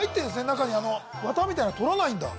中にあのわたみたいなの取らないんだ